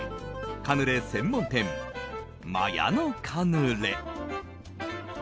カヌレ専門店、マヤノカヌレ。